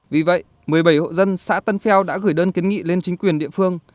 vì vậy một mươi bảy hộ dân xã tân pheo đã gửi đơn kiến nghị lên chính quyền địa phương